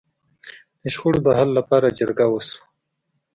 د شخړو د حل لپاره جرګه وشوه.